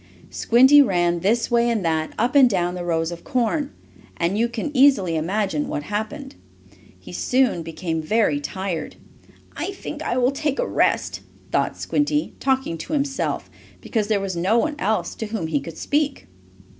Squinty ran this way and that up and down the rows of corn, and you can easily imagine what happened. He soon became very tired. "I think I will take a rest," thought Squinty, talking to himself, because there was no one else to whom he could speak.